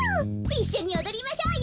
いっしょにおどりましょうよ！